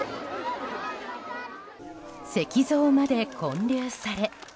石造まで建立され。